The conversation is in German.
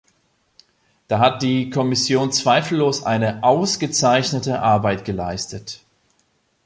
Da hat die Kommission zweifellos eine ausgezeichnete Arbeit geleistet.